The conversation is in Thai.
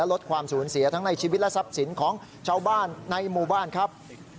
ลดความสูญเสียทั้งในชีวิตและทรัพย์สินของชาวบ้านในหมู่บ้านครับ